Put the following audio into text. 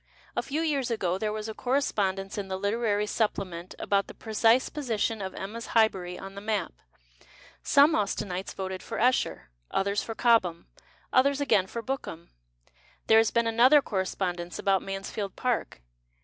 A few years ago there was a correspondence in the Literary Supplement about the precise position of Emma's Highbury on the map. Some Austenites voted for Esher, others for Cobham, others again for Bookham. There has been another corre spondence about Mansfield Park.